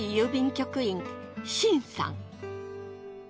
局員秦さん。